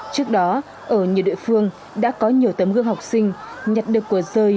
trước đó ở nhiều địa phương đã có nhiều tấm gương học sinh nhặt được cuộc rơi